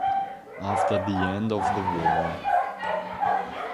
After the end of the war.